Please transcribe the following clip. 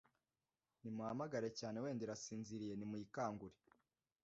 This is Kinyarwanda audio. Nimuhamagare cyane wenda irasinziriye nimuyikangure